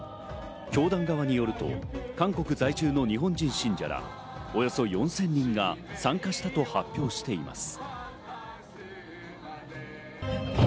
教団側によると、韓国在住の日本人信者らおよそ４０００人が参加したと発表しています。